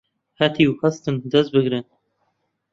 هەتیو هەستن دەس بگرن